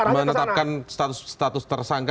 menetapkan status status tersangka